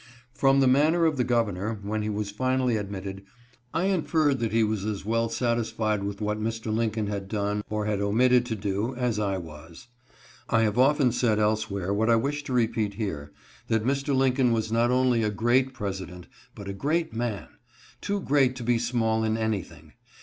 From the manner of the Governor, when he was finally admitted, I inferred that he was as well satisfied with what Mr. Lincoln had done, or had omitted to do, as I was. I have often said elsewhere what I wish to repeat here, that Mr. Lincoln was not only a great President, but a great man — too great to be small in anything.